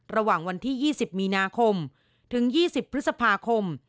ระหว่างวันที่๒๐มีนาคมถึง๒๐พฤษภาคม